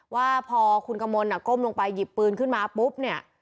ว่าพอคุณกมลก้มลงไปหยิบปืนขึ้นมาปุ๊บเนี่ย